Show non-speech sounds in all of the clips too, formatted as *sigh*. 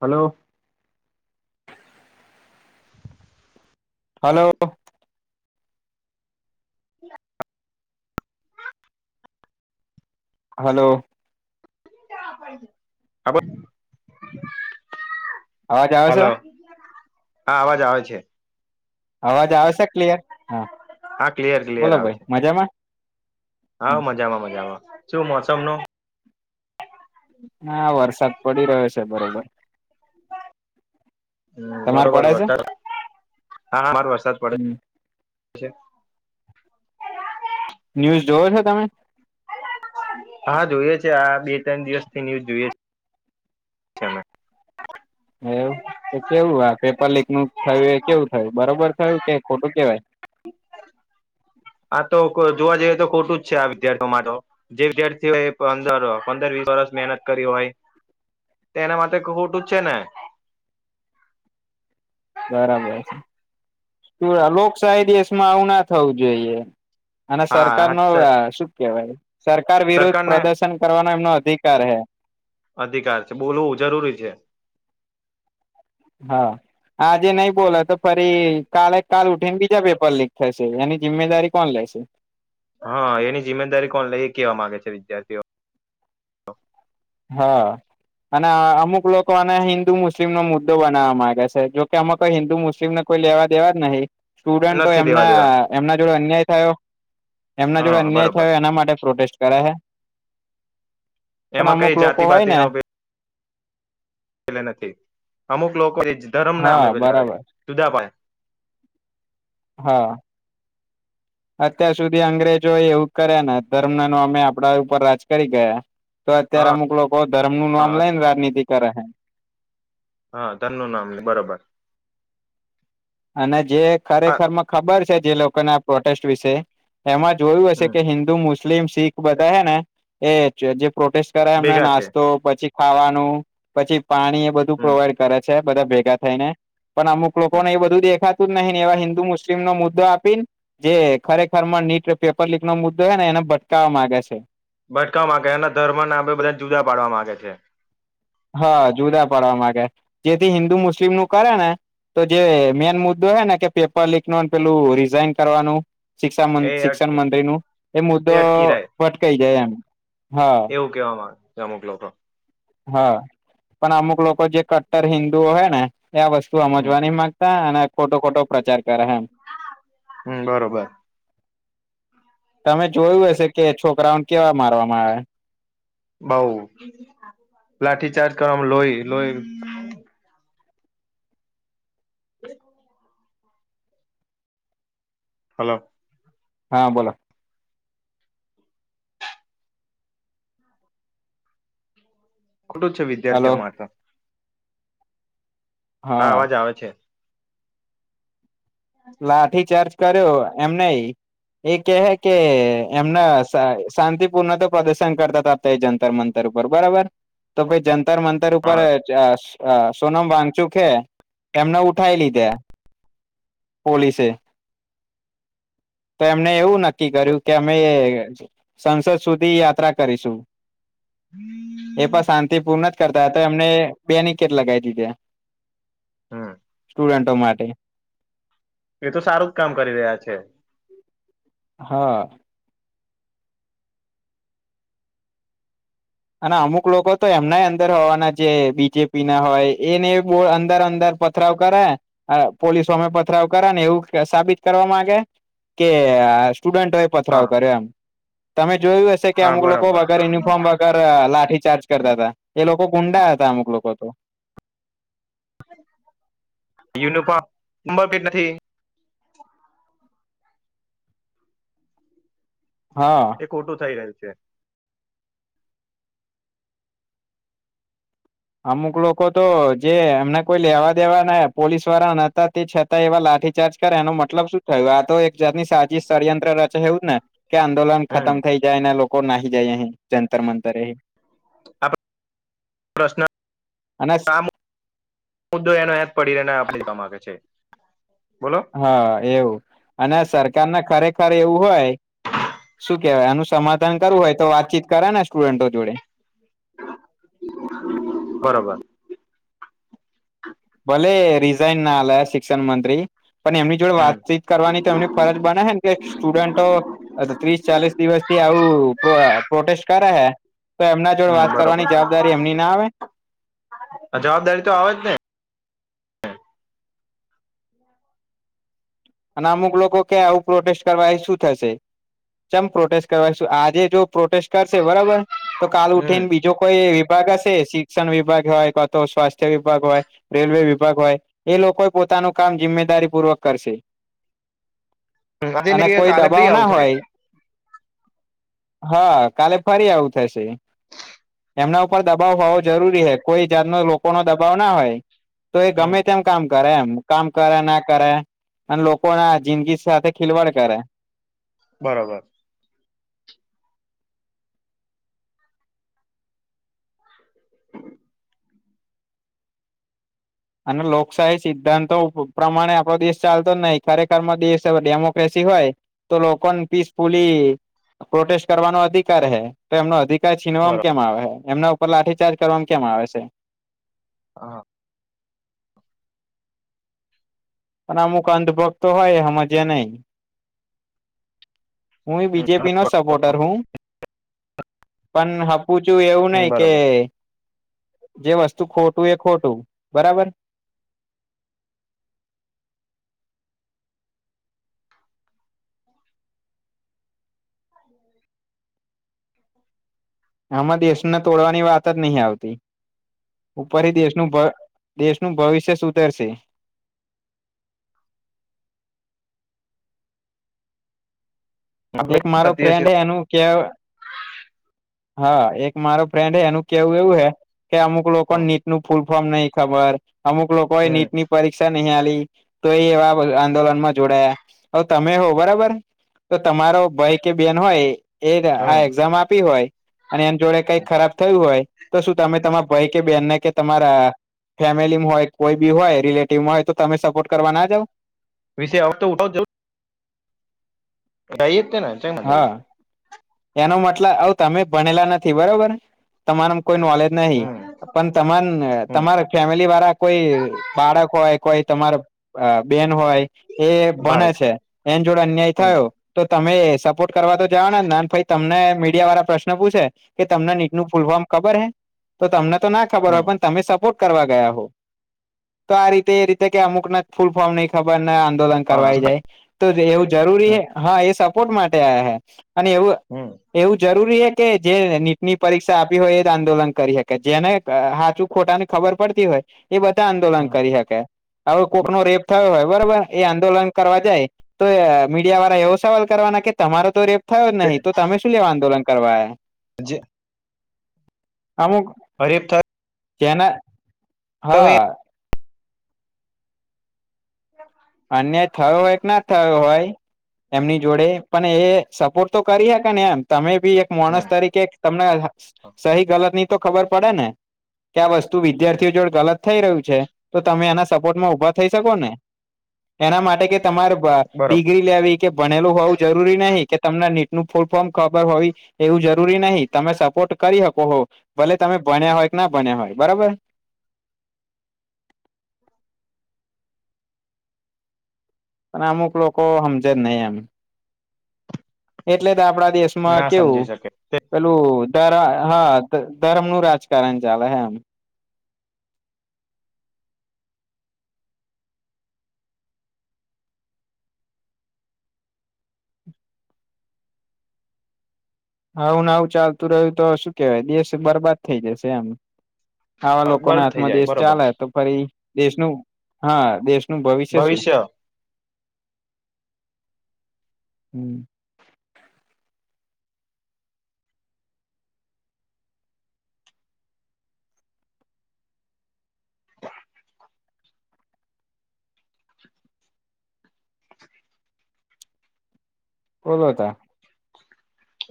Hello. Hello. *unintelligible* Hello. હો અવાજ આવે છે હલોો હા અવાજ આવે છે. અવાજ આવેશે ક્લિયર હા હા ક્લિયર ક્લિયર બોલો આવ ભાઈ છે. મજામાં હા મજામાં મજામાં શું મોસમ નો હા વરસાદ પડી રહ્યો છે. બરોબર હમ તમારે બરોબર પડે છે વરસાદ હા, વરસાદ પડે ન્યુઝ જોવો છો તમે હા જોઈએ છે. આ બે ત્રણ દિવસ થી ન્યુઝ જોઈએ છે. અમે એવું તો કેવું આ પેપર લીક નું થયું એ, કેવું થયું બરોબર થયું કે ખોટું કેવાય આ તો જોવા જઈએ તો ખોટું જ છે. આ વિદ્યાર્થીઓ માટે જે વિદ્યાર્થી હોય પંદર પંદર વીસ વરષ મહેનત કરી હોય એના માટે ખોટું જ છે ને બરાબર છે. લોકશાહી દેશમાં આવું ના થવું જોઈએ અને સરકાર હા નો શું કેવાય સરકાર વિરોુદધ સરકારને પ્રદર્શન કરવાનો એમનો અધિકાર હૈ. અધિકાર છે બોલવું જરૂરી છે. હા. આજે નહી બોલો તો ફરી કાલે, કાલ ઉઠીને બીજા પેપર લીક થશે એની જિમ્મેદારી કોણ લેશે હા એની જિમ્મેદારી કોણ લે એ કેવા માગે છે. વિદ્યાર્થીઓ હા. અને અમુક લોકો આને હિન્દુ મુસ્લિમનોો મુદ્દો બનાવા ગે છે. જોકે અમુ કોઈ હિન્દુ મુસ્લિમને કોઈ લેવા દેવા જ નહીિ સ્ટુડન્ટ તો નથી લેવા એમના દેવા એમના જોડે અન્યાય થયો એમના જોડે હા અન્યાય બરોબર થયો એના માટે પ્રોટેસ્ટ કર્યા છે. પણ એમાં અમુક કઈ લોકો જાતિ હોય ને બાતિનો નથી અમુક લોકો એ ધર્મ ના અમે હા પે છે. બરાબર જુદા પા હા. અત્યાર સુધી અંગ્રેજો એવું કર્યા ને ધર્મ, ન અમે આપડા ઉપર રાજ કરી ગયા તો અત્યારે હા અમુક લોકો ધર્મ નું હા નામ લઈને રાજનીતિ કરે છે. હા, તનું નામ બરોબર અને જે હા ખરેખર ખબર છે. જે લોકોને આ પ્રોટેસ્ટ વિશે એમાં જોયું હશે હમ કે હિન્દુ મુસ્લિમ શીખ બધા હે, ને એ જે પ્રોટેસ્ટ કરે એમ ભેગા છે નાસ્તો પછી ખાવાનું પછી પાણી એ બધું હમ પ્રોવાઈડ કરે છે બધા ભેગા થઈ ને પણ અમુક લોકો હમ ને એ બધું દેખાતું જ નહીને એવા હિન્દુ મુસ્લિમ નો મુદ્દ આપી ને જે ખરેખર માં નીટ પેપર લીક નો મુદ્દો છે ને એને ભટકાાવવા માંગે છે. ભટકાવા માંગે છે. એના ધર્મ ના બધાને જુદા પાડવા માંગે છે. હા જુદા પડવા માંગે જેથી હિન્દુ મુસ્લિમ નું કરે ને. તો જે મેન મુદ્દો હ ને કે પેપર લીક નો પેલું રિઝાઈન કરવાનું શિક્ષ એ શિક્ષણ અટકે મંત્રી નું એ મુદ્દો અટકી રહે ભટકાઈ જાય એમ હા ઓકે હ્યા મુંકલો હા પણ અમુક લોકો જે કટ્ટર હિન્ંદુઓ હય ને એ આ વસ્તુ આમાં હમ જોવા ની માંગતા અને ખોટો ખોટો પ્રચાર કરે એમ. બરોબર તમે જોયું હશે કે છોકરાઓને કેવા મારવામાં આવે. બહુ લાઠીચાર્જ કરવામાં લોહી લોહી *inaudible* હલો હા બોલો ખુલુ જ છે વિદ્યાર્થીઓ હલો માં તો. હા અવાજ આવે છે. લાઠીચાર્જ કર્યો એમ નહિં. એ કેહે કે એમના શાંતિપૂર્ણ તો પ્રદર્શન કરતા તા. તો એ જંતર મંતર ઉપર બરાબર. તો પહિ જંતર મંતર ઉપર અ ચ અ સોનમ વાગચુખે એમને ઉઠાવ લીધા. પોલીસે તો એમને એવું નક્કી કર્યું કે અમે સંસદ સુધી યાત્રા કરીશું. એ પણ શાંતિપૂર્ણ જ કર તા તા એમને બેનીકેેટ લગાઈ દીધા હમ સ્ટુડન્ટો માટે. એ તો સારું જ કામ કરી રહ્યા છે. હા અને અમુક લોકો તો એમનાય અંદર હોવાના જે બીજેપી ના હોય એને બહુ અંદર અંદર પત પથરાવ કરે અ પોલીસ સામે પથરાવ કર ને એવું સાબિત કરવા માંગે. કે સ્ટુડન્ટઓ એ પથરાવ હા કર્યો એમ. તમે જોયું હશ છે કે હા અમુક લોકો બરોબર વગર યુનિફોર્મ વગર લાઠી ચાર્જ કરતા હતા. એ લોકો ગુંડા હતા અમુક લોકો તો. યુનિફોર્મ ઉબર પેટ નથી. હા એ ખોટું થઈ રહ્યું છે. અમુક લોકો તો જે એમને કોઈ લેવા દેવા ના પોલીસ વાળા ને હતા તે છત તા એવા લાઠીચાર્જ કરે એનો મતલબ શું થયું? આ તો એક જાતની સાચી ષડયંત્ર રચે એવું જ ને? કે આંદોલન હમ ખતમ થઈ જાય ને લોકો નાહી જાય અહી જંતર મંતરે. આપ પ્રશ્ન અને આ મુદ્દો એનો યાદ પડીને આપણે જ કામ આવે છે બોલો. હા એવું અને સરકારને ખરેખર એવું હોય શું કેહેવાય આનું સમાધાન કરવું હોય તો વાતચીત કરે ને સ્ટુડન્ટો જોડે. બરોબર. ભલે રિઝાઇન ના આલે શિક્ષણ મંત્રી. પણ એમની જોડે હમ વાતચીત કરવાની તો એમની ફરજ બને હે ને કે સ્ટુડન્ટો ત્રીસ ચાલીસ દિવસથી આવું પ્રો પ્રોટેસ્ટ કરે હે. તો એમના જોડે હમ વાત બરોબર કરવાની જવાબદારી એમની ના આવે? જવાબદારી તો આવે જ ને. અને અમુક લોકો કે આવું પ્રોટેસ્ટ કરવા એ શું થશે? ચમ પ્રોટેસ્ટ કરવાશું આજે જો પ્રોટેસ્ટ કરશે બરોબર. તો કાલ ઉઠી ને હમ બીજ જો કોઈ વિભાગ હશે શિક્ષણ વિભાગ હોય, કો તો સ્વાસ્થ્ય વિભાગ હોય. રેલવે વિભાગ હોય, એ લોકો એ પોતાનું કામ જિમ્મેદારી પૂર્વક કરશે. આજે ને અને કે કોઈ કાલે દબાવ ફ્રી આવું ના થશે હોય. હા કાલે ફરી આવું થશે. એમના ઉપર દબાવ હોવો જરૂરી હે. કોઈ જાતનો લોકોનો દબાવ ના હોય તો એ હમ ગમે તેમ કામ કરે એમ. કામ કરે ના કરે અને લોકોના જિંદગી સાથે ખિલવાડ કરે. બરોબર. *inaudible* અને લોકશાહી સિદ્ધાંતો પ્રમાણે આપડો દેશ ચાલતો જ નહ. ખરેખરમાં દેશ ડેમોક્રેસી હોય તો લોકોને પીસફુલી પ્રોટેસ્ટ કરવાનો અધિકાર હે તો એમનો અધિકા અધિકાર છીનવામાં બરોબર કેમ આવે છે, એમના ઉપર લાઠીચાર્જ કરવામાં કેમ આવે છે. હા. પણ અમુક અંધભક્તો હોય સમજે નય. હું એ બીજેપી નો હમ સપોર્ટર હું, પણ સપૂચૂ એવું નઈ કે બરોબર જે વસ્તુ ખોટું એ ખોટું બરાબર. *inaudible* આમાં દેશ ને તોડવાની વાત જ નહી આવતી. ઉપર થી દેશનું દેશનું ભવિષ્ય સુધરશે. એક મારો થતી હશે ફ્રેન્ડ એનું કે હા એક મારો ફ્રેન્ડ હે એનું કેવું એવું હૈ કે અમુક લોકો હમ નીટ નું ફૂલ- ફોર્મ નય ખબર, અમુક લોકો એ નીટની પરીક્ષા નય આલી તો એ એવા આંદોલન માં જોડાયા તો તમે હો બરાબર. તો તમારો ભય કે બેન હોય એ આ હમ એક્ઝામ આપી હોય અને એને જોડે કઈ ખરાબ થયું હોય તો શું તમે તમારા ભઈ કે બેનને કે તમારા ફેમિલીમાં હોય કોઈ બી હોય રિલેટિવમાં હોય તો તમે સપોર્ટ કરવા ના જાવ. વિશે આવતો *unintelligible* જવ જઈ જ કે ના હા એનો મતલબ અવ તમે ભણેલા નથી બરોબર તમારા માં કોઈ નોલેજ નહી હમ પણ તમા હમ તમારે ફેમિલીવાળા કોઈ બાળક હોય, કોઈ તમાર બેન હોય એ ભણે ભાઈ છે, એની જોડે અન્યાય હમ થયો તો તમે સપોર્ટ કરવા તો જવા ને ના ભાઈ તમને મીડિયા વાળા પ્રશ્ન પૂછે કે તમને નીટ નું ફૂલ ફોર્મ ખબર હે, તો તમને તો ના ખબર હમ હોય પણ તમે સપોર્ટ કરવા ગયા તો આ રીતે એ રીતે અમુક ને ફૂલ ફોર્મ નય ખબર ને આંદોલન હા કરવા જાય તો એવું જરૂરી હમ હે, હા એ સપોર્ટ માટે આયા હોય અને એવું હમમ. એવું જરૂરી હે કે જે નીટની પરીક્ષા આપી હોય એ જ આંદોલન કરી શકે જેને હાચું ખોટા ની ખબર પડતી હોય એ બધા આંદોલન હમ કરી શકે. હવે કોક નો રેપ થયો હોય બરોબર એ આંદોલન કરવા જાય તો એ મીડિયાવાળા એવો સવાલ કરવાના કે તમારો તો રેપ થયો જ નહી, તો તમે શું લેવા આંદોલન કરવા આયા. જ અમુક અ રેપ થય જેના હોય હા અન્યાય થયો હોય કે ના થયો હોય, એમની જોડે પણ એ સપોર્ટ તો કરી હકે ને એમ તમે બી એક માણસ હમ તરીકે તમને સહી ગલતની તો ખબર પડે ને. કે આ વસ્તુ વિદ્યાર્થીઓ જોડે ગલત થઈ રહ્યું છે, તો તમે એના સપોર્ટમાં ઊભા થઈ શકો ને. એના માટે કે તમારે બરોબર ડિગ્રી લેવી કે ભણેલું હોવું જરૂરી નહીં કે તમને નીટનું ફૂલ ફોર્મ ખબર હોવી એવું જરૂરી નહી તમે સપોર્ટ કરી શકો હો, ભલે તમે ભણ્યા હોય કે ના ભણ્યા હોય બરાબર. પણ અમુક લોકો સમજે જ નય એમ, એટલે જ આપડા દેશ માં ના સમજી કેવું શકે પેલું હા ધર્મનું રાજકારણ ચાલે હા. આવું ને આવું ચાલતું રહ્યું તો શું કેવાય દેશ બરબાદ થઈ જશે એમ. આવા લોકોના બરોબર થઈ હાથમાં જાય દેશ બરોબર ચાલે તો પહિ દેશનું હા દેશનું ભવિષ્ય શું. હમમ. કોબા તા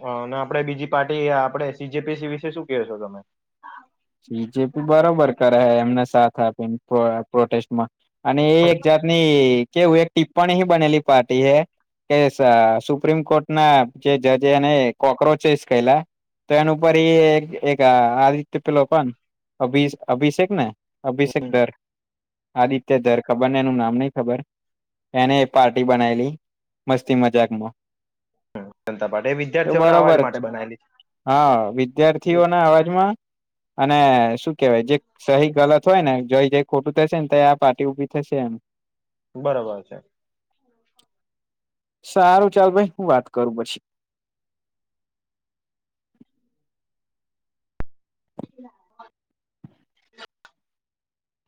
હ અને આપડે બીજી પાર્ટી આપડ સીજેપીસી વિશે શું ક છો તમે બીજેપી બરોબર કરહે એમને સાથ આપીને પ્ર પ્રોટેસ્ટમાં અને એ એક જાત ની કેવું એક ટિપ્પણી હ બનેલી પાર્ટી હે કે સા સુપ્રીમ કોર્ટ ના જે જજેને કોક્રોચસ કેલા તો એના ઉપર એક આ રીત લો પણ અભિ અભિષેક ને અભિષેક હમ, દર આદિત્ય દર ખબર ને એનું નામ નહ ખબર એને પાર્ટી બનાયલી મસ્તી મજાકમાં જનતા પાર્ટી એ તો વિદ્યાર્થીઓને અવાજ બરોબર જ માટે બનાયલી હા વિદ્યાર્થીઓ ના અવાજમાં અને શું કેવાય જે સહી ગલત હોય ને જઈ જઈ ખોટું થશે ને ત આ પાર્ટી ઉભી થશે એમ બરોબર છે. સારું ચાલ ભાઈ હું વાત કરું પછી *unintelligible*